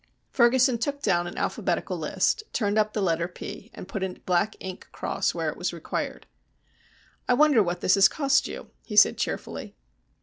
Ferguson took down an alphabetical list, turned up the letter "P," and put a black ink cross where it was required. "I wonder what this has cost you," he said cheerfully.